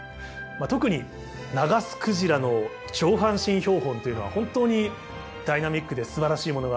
特にナガスクジラの上半身標本というのは本当にダイナミックですばらしいものがあると思います。